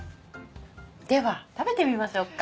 では食べてみましょうか。